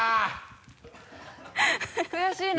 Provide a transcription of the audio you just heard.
悔しいな。